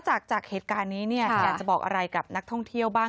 จากเหตุการณ์นี้เนี่ยอยากจะบอกอะไรกับนักท่องเที่ยวบ้าง